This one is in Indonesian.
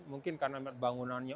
mungkin karena bangunannya